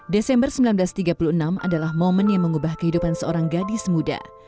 desember seribu sembilan ratus tiga puluh enam adalah momen yang mengubah kehidupan seorang gadis muda